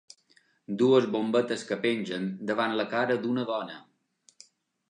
Dues bombetes que pengen davant la cara d'una dona.